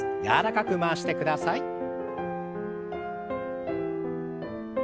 柔らかく回してください。